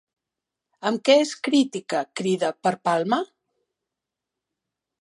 Amb què és crítica Crida per Palma?